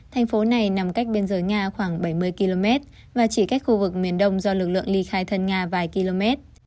thành phố này nằm cách biên giới nga khoảng bảy mươi km và chỉ cách khu vực miền đông do lực lượng ly khai thân nga vài km